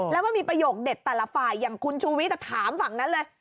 แล้วมันมีประโยคเด็ดแต่ละฝ่ายอย่างคุณชูวิทย์ถามฝั่งนั้นเลย